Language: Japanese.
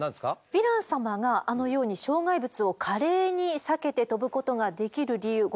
ヴィラン様があのように障害物を華麗に避けて飛ぶことができる理由ご説明します。